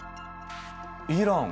イラン